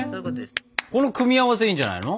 この組み合わせいいんじゃないの？